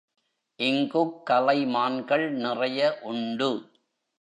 இங்குக் கலைமான்கள் நிறைய உண்டு.